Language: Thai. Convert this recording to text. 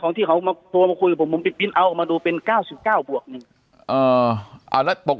ของที่เขามาโทรมาคุยผมเอามาดูเป็น๙๙บวกอ่าแล้วปก